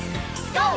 ＧＯ！